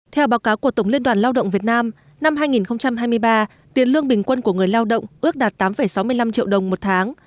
theo báo cáo của tổng liên đoàn lao động việt nam năm hai nghìn hai mươi ba tiền lương bình quân của người lao động ước đạt tám sáu mươi năm triệu đồng một tháng